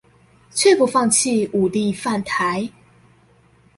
卻不放棄武力犯台